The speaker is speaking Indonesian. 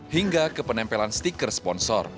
hingga kepenempelan stiker sponsor